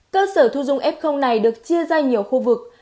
cơ sở thu dung f này được chia ra nhiều khu vực